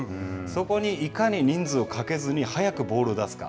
そこにいかに人数をかけずに早くボールを出すか。